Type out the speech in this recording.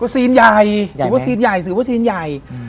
ก็ซีนใหญ่ถือว่าซีนใหญ่ถือว่าซีนใหญ่